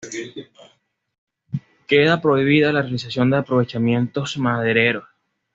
Queda prohibida la realización de aprovechamientos madereros.